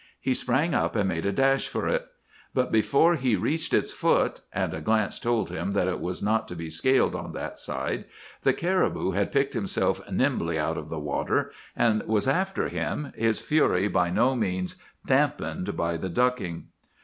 He sprang up and made a dash for it. But before he reached its foot,—and a glance told him that it was not to be scaled on that side,—the caribou had picked himself nimbly out of the water and was after him, his fury by no means dampened by the ducking.